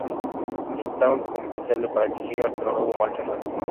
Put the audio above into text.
Intentan convencerle para que siga, pero no hubo marcha atrás.